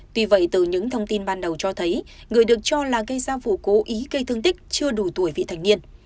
tuy vậy từ những thông tin ban đầu cho thấy người được cho là gây ra vụ cố ý gây thương tích chưa đủ tuổi vị thành niên